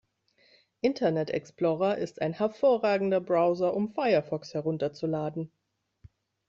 Internet Explorer ist ein hervorragender Browser, um Firefox herunterzuladen.